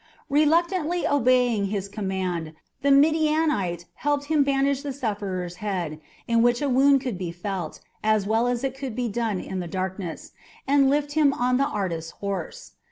Reluctantly obeying his command, the Midianite helped him bandage the sufferer's head, in which a wound could be felt, as well as it could be done in the darkness, and lift him on the artist's horse.